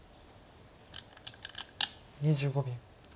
２５秒。